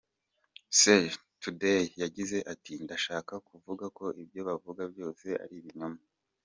S Today yagize ati, “Ndashaka kuvuga ko ibyo bavuga byose ari ibinyoma.